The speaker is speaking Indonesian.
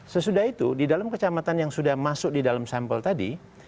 sesudah itu di dalam kecamatan yang sudah masuk di dalam sampel tadi